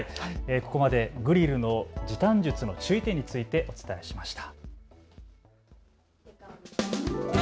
ここまでグリルの時短術、注意点についてお伝えしました。